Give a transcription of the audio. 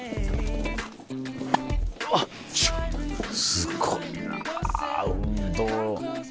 すごいな運動。